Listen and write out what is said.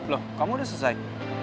loh kamu udah selesai